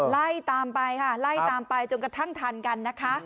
ไล่ตามไปค่ะไล่ตามไปจนกระทั่งทันกันนะคะ